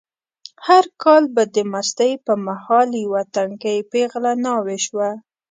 هر کال به د مستۍ په مهال یوه تنکۍ پېغله ناوې شوه.